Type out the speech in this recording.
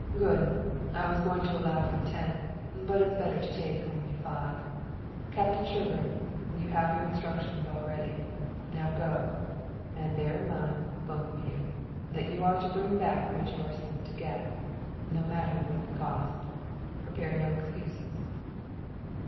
"Good. I was going to allow you ten, but it's better to take only five. Captain Sherburne, you have your instructions already. Now go, and bear in mind, both of you, that you are to bring back what you are sent to get, no matter what the cost. Prepare no excuses."